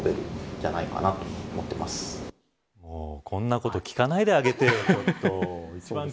こんなこと聞かないであげてよ。